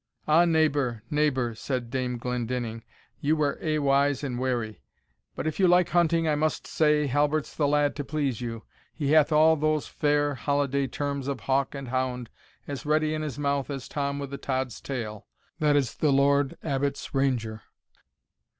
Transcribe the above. "Ah, neighbour, neighbour," said Dame Glendinning, "you were aye wise and wary; but if you like hunting, I must say Halbert's the lad to please you. He hath all those fair holiday terms of hawk and hound as ready in his mouth as Tom with the tod's tail, that is the Lord Abbot's ranger."